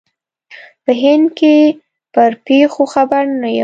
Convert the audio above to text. په هند کې پر پېښو خبر نه یم.